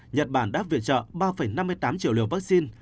nhật bản đáp viện trợ ba năm mươi tám triệu liều vaccine